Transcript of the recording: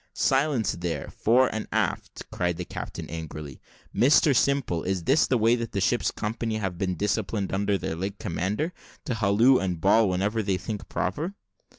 "Silence there, fore and aft," cried the captain angrily. "Mr Simple, is this the way that the ship's company have been disciplined under their late commander, to halloo and bawl whenever they think proper?"